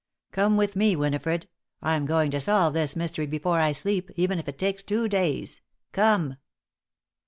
"Come with me, Winifred. I'm going to solve this mystery before I sleep, even if it takes two days. Come!"